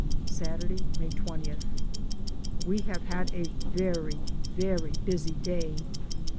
Saturday, May 20. We have had a very, very busy day.